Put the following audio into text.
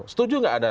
setuju nggak ada